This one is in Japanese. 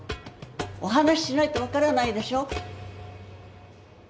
お話しないと分からないでしょ。